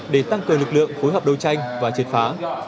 để tăng cường lực lượng phối hợp đối tranh và trệt phá